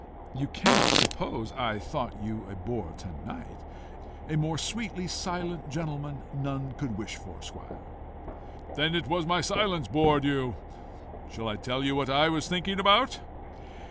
"You cannot suppose I thought you a bore to night. A more sweetly silent gentleman none could wish for squire." "Then it was my silence bored you. Shall I tell you what I was thinking about?"